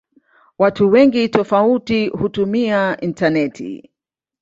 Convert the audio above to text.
Watu wengi tofauti hutumia intaneti.